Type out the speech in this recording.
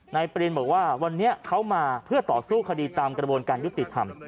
ปรินบอกว่าวันนี้เขามาเพื่อต่อสู้คดีตามกระบวนการยุติธรรม